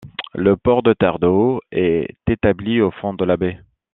Le port de Terre-de-Haut est établi au fond de la baie.